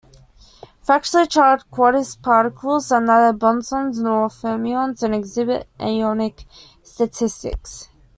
Fractionally charged quasiparticles are neither bosons nor fermions and exhibit anyonic statistics.